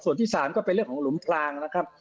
ส่วนที่๓ก็เป็นเรื่องของหลุมพลางนะครับ